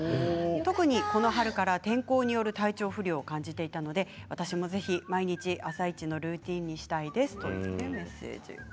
特に、この春から天候による体調不良を感じていたので私も、ぜひ毎日朝一のルーティンにしたいです。